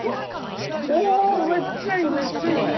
めっちゃいいめっちゃいい！